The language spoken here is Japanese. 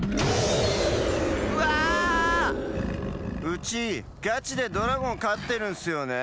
うちガチでドラゴンかってるんすよね。